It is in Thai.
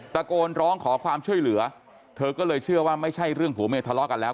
ตะโกนร้องขอความช่วยเหลือเธอก็เลยเชื่อว่าไม่ใช่เรื่องผัวเมียทะเลาะกันแล้ว